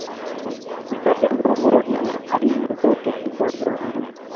hifadhi ya ngorongoro ina aina zote kubwa za wanyama